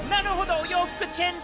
洋服チェンジ？